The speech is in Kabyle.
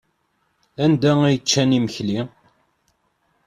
Anda ay ččan imekli?